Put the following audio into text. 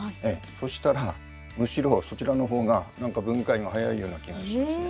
そしたらむしろそちらの方が何か分解が早いような気がしましたね。